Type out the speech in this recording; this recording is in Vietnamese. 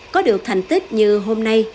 có được thành tích như hôm nay